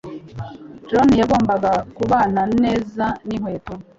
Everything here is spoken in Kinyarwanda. John yagombaga kubana neza n'inkweto.